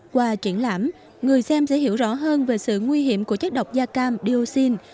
qua triển lãm người xem sẽ hiểu rõ hơn về sự nguy hiểm của chất độc gia cam điêu sinh